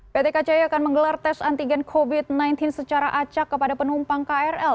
pt kci akan menggelar tes antigen covid sembilan belas secara acak kepada penumpang krl